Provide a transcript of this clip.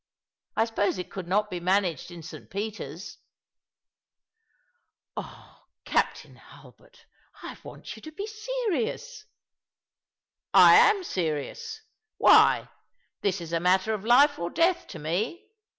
I suppose it could not be managed in St. Peter's ?"" Oh, Captain Hulbert, I want you to bo serious." " I am serious. "Why, this is a matter of life or death to me.